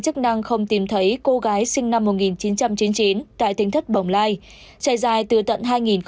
chức năng không tìm thấy cô gái sinh năm một nghìn chín trăm chín mươi chín tại tỉnh thất bồng lai trải dài từ tận hai nghìn một mươi